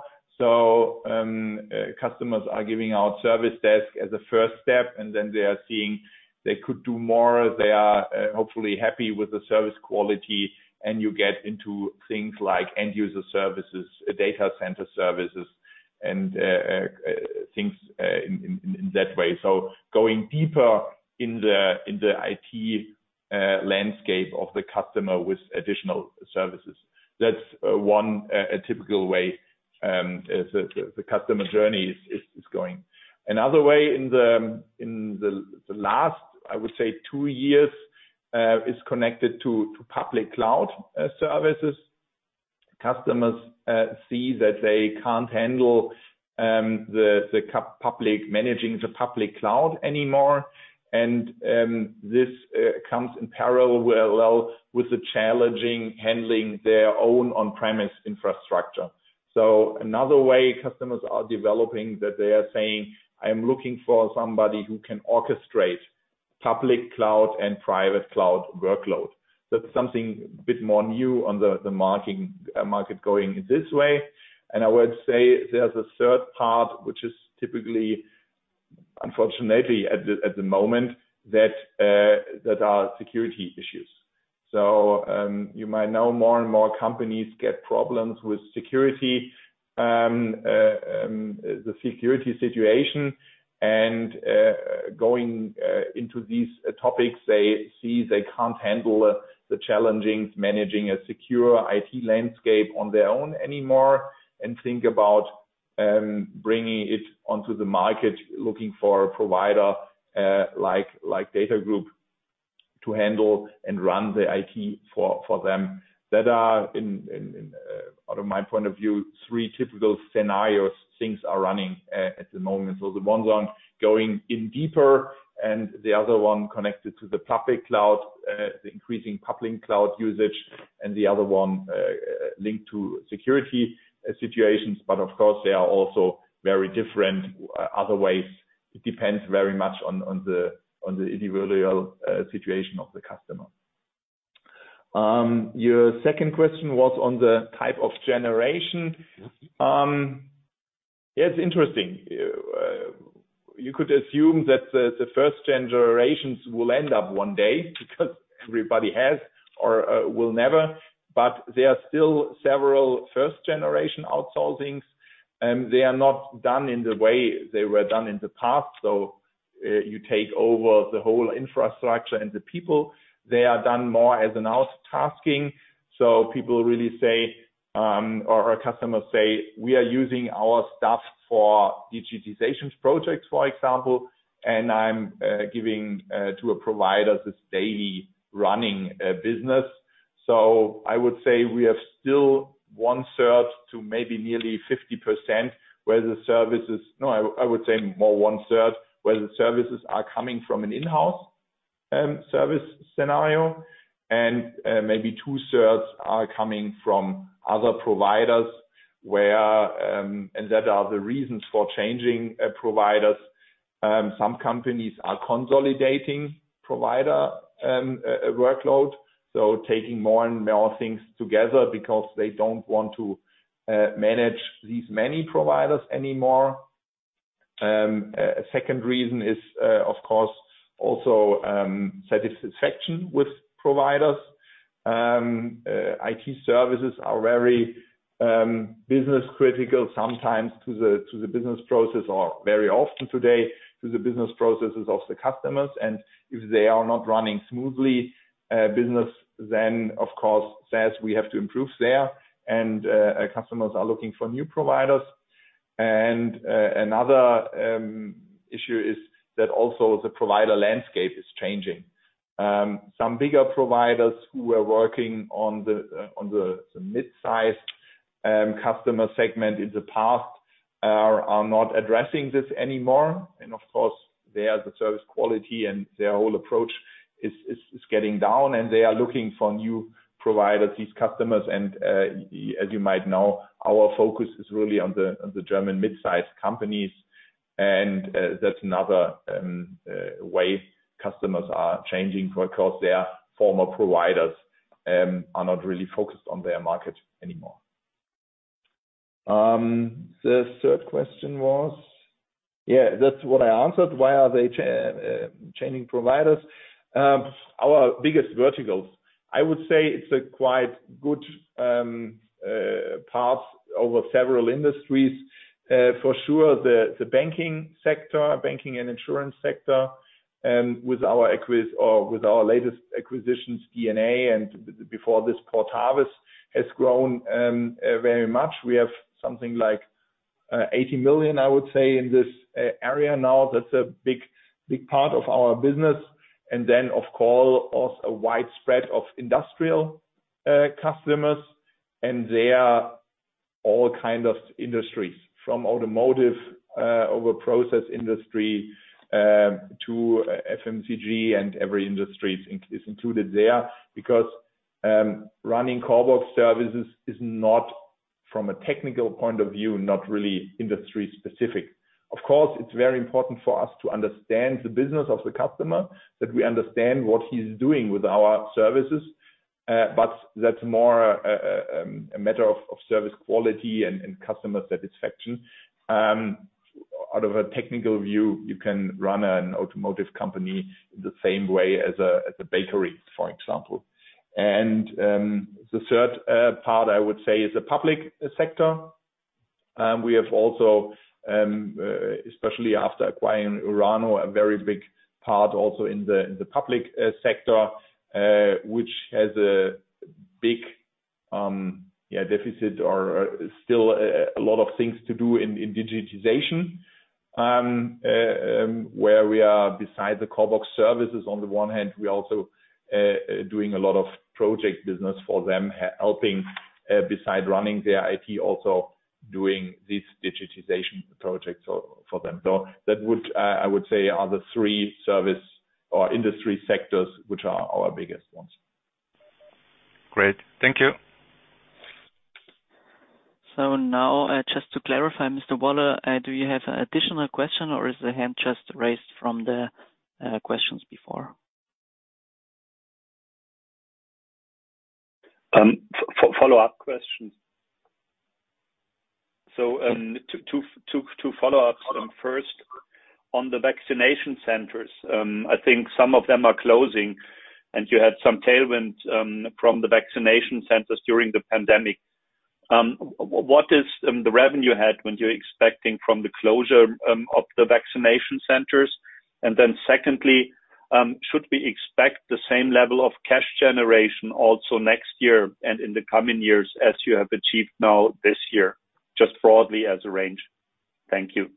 Customers are giving out Service Desk as a first step, and then they are seeing they could do more. They are hopefully happy with the service quality and you get into things like end user services, data center services and things in that way. Going deeper in the IT landscape of the customer with additional services. That's one a typical way as the customer journey is going. Another way in the last, I would say two years, is connected to public cloud services. Customers see that they can't handle managing the public cloud anymore. This comes in parallel with, well, with the challenging handling their own on-premise infrastructure. Another way customers are developing that they are saying, "I'm looking for somebody who can orchestrate public cloud and private cloud workload." That's something a bit more new on the market going this way. I would say there's a third part, which is typically, unfortunately at the moment that are security issues. You might know more and more companies get problems with security. The security situation and going into these topics, they see they can't handle the challenges managing a secure IT landscape on their own anymore, and think about bringing it onto the market, looking for a provider like DATAGROUP to handle and run the IT for them. That are out of my point of view, three typical scenarios things are running at the moment. The one's on going in deeper, and the other one connected to the public cloud, the increasing public cloud usage, and the other one linked to security situations. Of course, they are also very different other ways. It depends very much on the individual situation of the customer. Your second question was on the type of generation.
Yes.
It's interesting. You could assume that the first generations will end up one day because everybody has or will never, but there are still several first generation outsourcings. They are not done in the way they were done in the past. You take over the whole infrastructure and the people, they are done more as an outtasking. People really say, or our customers say, "We are using our staff for digitizations projects, for example, and I'm giving to a provider this daily running business." I would say we have still one-third to maybe nearly 50% where the services. No, I would say more one-third, where the services are coming from an in-house service scenario, and maybe two-thirds are coming from other providers where, and that are the reasons for changing providers. Some companies are consolidating provider workload, so taking more and more things together because they don't want to manage these many providers anymore. A second reason is of course also satisfaction with providers. IT services are very business critical sometimes to the business process or very often today to the business processes of the customers. If they are not running smoothly, business then of course says we have to improve there. Our customers are looking for new providers. Another issue is that also the provider landscape is changing. Some bigger providers who are working on the midsize customer segment in the past are not addressing this anymore. Of course, their service quality and their whole approach is getting down and they are looking for new providers, these customers. As you might know, our focus is really on the German mid-sized companies. That's another way customers are changing because their former providers are not really focused on their market anymore. The third question was? Yeah, that's what I answered. Why are they changing providers? Our biggest verticals, I would say it's a quite good path over several industries. For sure the banking sector, banking and insurance sector, with our latest acquisitions, dna, and before this Portavis has grown very much. We have something like 80 million, I would say in this area now. That's a big, big part of our business. Of course, a widespread of industrial customers and their all kind of industries. From automotive, over process industry, to FMCG and every industry is included there because running CORBOX services is not-
From a technical point of view, not really industry-specific. Of course, it's very important for us to understand the business of the customer, that we understand what he's doing with our services. but that's more a matter of service quality and customer satisfaction. Out of a technical view, you can run an automotive company the same way as a bakery, for example. the third part I would say is the public sector. We have also, especially after acquiring URANO a very big part also in the public sector, which has a big, yeah, deficit or still a lot of things to do in digitization. Where we are beside the CORBOX services on the one hand, we're also doing a lot of project business for them, helping beside running their IT, also doing these digitization projects for them. I would say are the three service or industry sectors which are our biggest ones.
Great. Thank you.
Now, just to clarify, Mr. Woller, do you have additional question or is the hand just raised from the questions before?
Follow-up question. Two follow-ups. First, on the vaccination centers, I think some of them are closing, and you had some tailwinds from the vaccination centers during the pandemic. What is the revenue head when you're expecting from the closure of the vaccination centers? Secondly, should we expect the same level of cash generation also next year and in the coming years as you have achieved now this year, just broadly as a range? Thank you.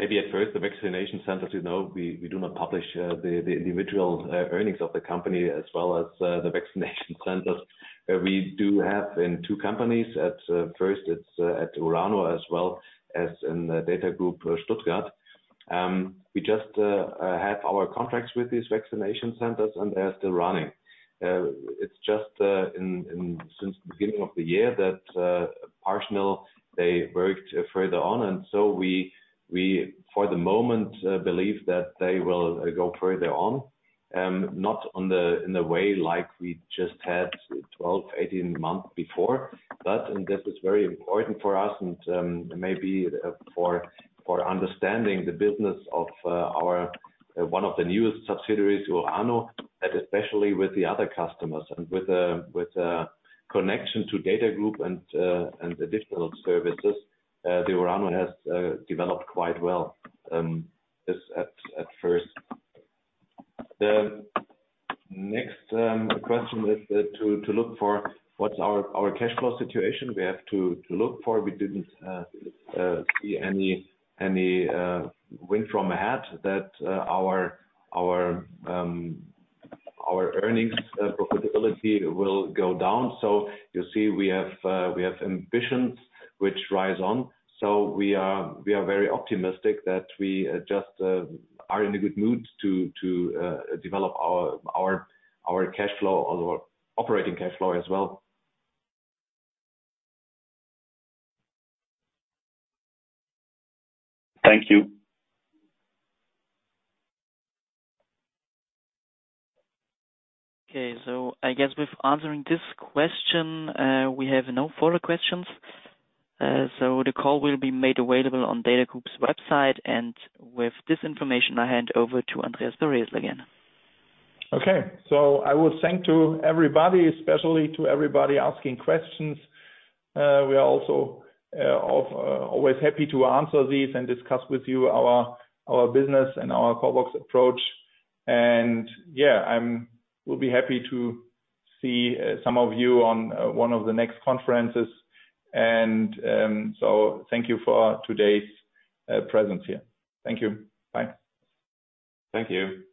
Maybe at first, the vaccination centers, you know, we do not publish the individual earnings of the company as well as the vaccination centers. We do have in two companies at first it's at URANO as well as in DATAGROUP Stuttgart. We just have our contracts with these vaccination centers and they're still running. It's just since the beginning of the year that partial they worked further on. We for the moment believe that they will go further on, not on the in the way like we just had 12, 18 months before. And this is very important for us and maybe for understanding the business of our one of the newest subsidiaries, URANO, and especially with the other customers and with a connection to DATAGROUP and additional services, URANO has developed quite well at first. The next question is to look for what's our cash flow situation we have to look for. We didn't see any wind from ahead that our earnings profitability will go down. You see, we have ambitions which rise on. We are very optimistic that we just are in a good mood to develop our cash flow or operating cash flow as well.
Thank you.
Okay. I guess with answering this question, we have no further questions. The call will be made available on DATAGROUP's website. With this information, I hand over to Andreas again.
Okay. I will thank to everybody, especially to everybody asking questions. We are also of always happy to answer these and discuss with you our business and our CORBOX approach. Yeah, we'll be happy to see some of you on one of the next conferences. Thank you for today's presence here. Thank you. Bye.
Thank you.